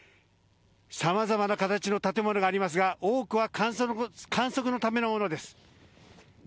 さまざまな形の建物がありますが多くは観測のためのものです。